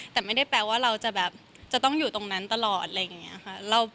แต่ไม่ได้แปลว่าเราจะแบบจะต้องอยู่ตรงนั้นตลอดอะไรอย่างนี้ค่ะ